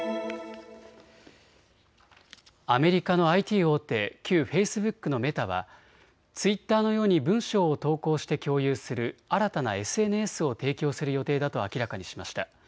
アメリカのＩＴ大手、旧フェイスブックのメタはツイッターのように文章を投稿して共有する新たなＳＮＳを提供する予定だと明らかにしました。